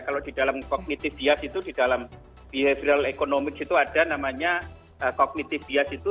kalau di dalam kognitif bias itu di dalam behavioral economics itu ada namanya kognitif bias itu